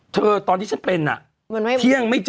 เธอตอนที่ฉันเป้นน่ะเพี้ยงไม่เจอ